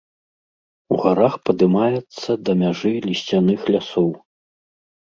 У гарах падымаецца да мяжы лісцяных лясоў.